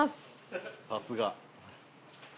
さすが。